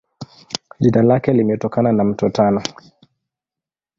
Jina lake limetokana na Mto Tana.